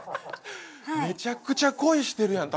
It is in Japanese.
めちゃくちゃ恋してるやん！